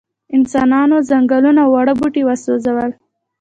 انسانانو ځنګلونه او واړه بوټي وسوځول.